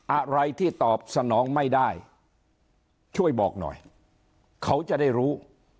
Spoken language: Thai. อะไรที่ตอบสนองไม่ได้ช่วยบอกหน่อยเขาจะได้รู้